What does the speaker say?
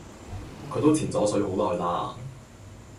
佢都潛左水好耐啦